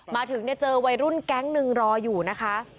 มาถึงเจอวัยรุ่นแก๊งหนึ่งรออยู่นะคะ